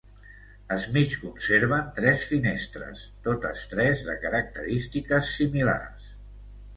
Es mig conserven tres finestres, totes tres de característiques similars.